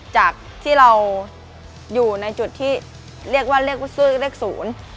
จากที่เราอยู่ในจุดที่เรียกว่าเรียกว่าซื้อเลขศูนย์